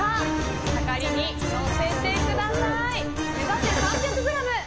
量りに乗せてください！